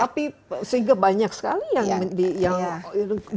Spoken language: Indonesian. tapi sehingga banyak sekali yang di indonesia